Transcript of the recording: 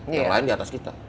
yang lain di atas kita